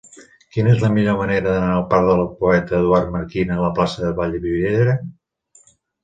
Quina és la millor manera d'anar del parc del Poeta Eduard Marquina a la plaça de Vallvidrera?